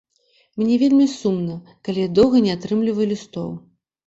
Мне вельмі сумна, калі я доўга не атрымліваю лістоў.